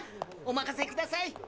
お任せください！